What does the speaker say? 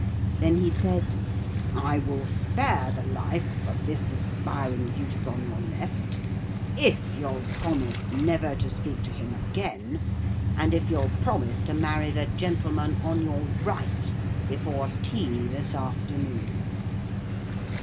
Then he said: 'I will spare the life of this aspiring youth on your left if you'll promise never to speak to him again, and if you'll promise to marry the gentleman on your right before tea this afternoon.'